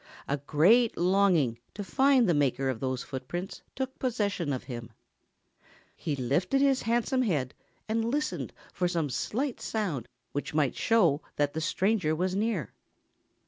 A great longing to find the maker of those footprints took possession of him. He lifted his handsome head and listened for some slight sound which might show that the stranger was near.